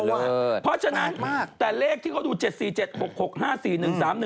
เพราะฉะนั้นแต่เลขที่เขาดู๗๔๗๖๖๕๔๑๓๑๘๖๘เยอะไปไหม